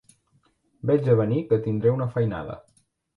Veig a venir que tindré una feinada.